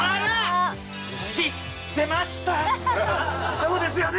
そうですよね？